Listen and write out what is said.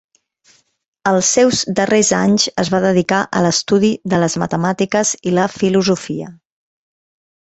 Els seus darrers anys es va dedicar a l'estudi de les matemàtiques i la filosofia.